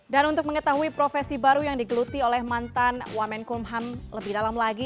untuk mengetahui profesi baru yang digeluti oleh mantan wamenkumham lebih dalam lagi